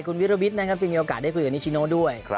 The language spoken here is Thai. คุณวิรวิทย์นะครับจึงมีโอกาสได้คุยกับนิชิโนด้วย